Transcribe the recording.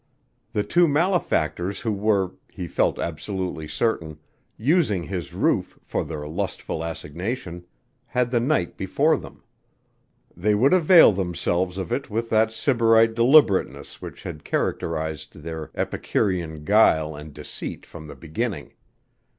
The two malefactors who were, he felt absolutely certain, using his roof for their lustful assignation, had the night before them. They would avail themselves of it with that sybarite deliberateness which had characterized their epicurean guile and deceit from the beginning.